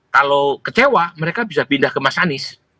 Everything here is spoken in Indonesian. kalau kecewa mereka bisa pindah ke mas anies